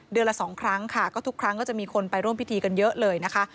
ละสองครั้งค่ะก็ทุกครั้งก็จะมีคนไปร่วมพิธีกันเยอะเลยนะคะ